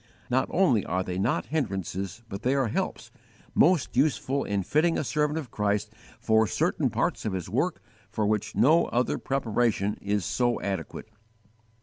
Not only are they not hindrances, but they are helps, most useful in fitting a servant of Christ for certain parts of his work for which no other preparation is so adequate.